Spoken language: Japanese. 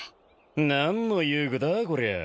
何の遊具だこりゃあ。